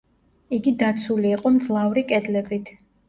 იგი დაცული იყო მძლავრი კედლებით.